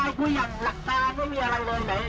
สบายคุยอย่างหลักตาไม่มีอะไรเลยไหม